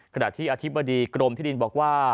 ขณะที่อธิบดีกรมที่ดินบอกว่า